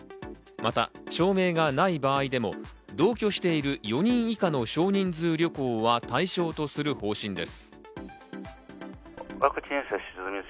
また証明がない場合でも、同居している４人以下の少人数旅行は対象とする方針です。